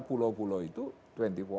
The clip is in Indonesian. pulau pulau itu dua puluh empat